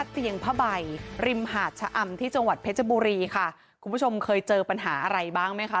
เตียงผ้าใบริมหาดชะอำที่จังหวัดเพชรบุรีค่ะคุณผู้ชมเคยเจอปัญหาอะไรบ้างไหมคะ